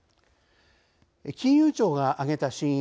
金融庁が挙げた真因